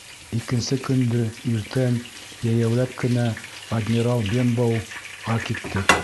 Икенсе көндө иртән йәйәүләп кенә «Адмирал Бенбоу»ға киттек.